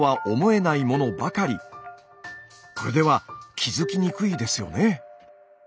これでは気づきにくいですよね。